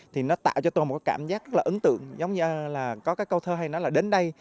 thì nó tạo cho tôi một cảm giác rất là ấn tượng giống như là có các câu thơ hay nói là đến đây